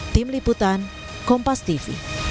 tim liputan kompas tv